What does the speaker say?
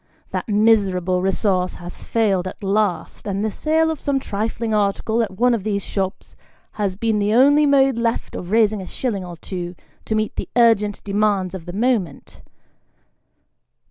That miserable resource has failed at last, and the sale of some trifling article at one of these shops, has been the only mode left of raising a shilling or two, to meet the urgent demands of the moment.